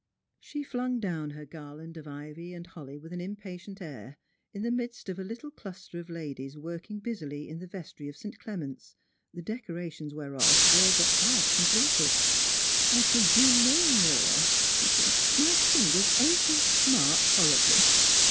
Slie flung down her garland of ivy and holly with an impatient air, in the midst of a little cluster of ladies working busily in the vestry of St. Clement's, the decorations whereof were but half completed. " I shall do no more," she said; "my fingers ache and smart horribly.